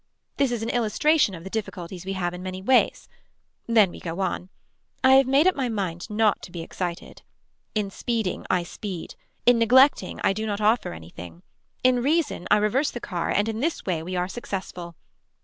This is an illustration of the difficulties we have in many ways. Then we go on. I have made up my mind not to be excited. In speeding I speed. In neglecting I do not offer anything. In reason I reverse the car and in this way we are successful.